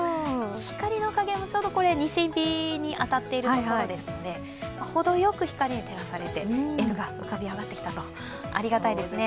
光の加減も、ちょうど西日に当たっているところですので、ほどよく光に照らされてＮが浮かび上がってきたとありがたいですね。